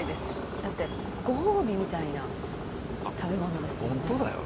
だってご褒美みたいな食べ物ですもんね。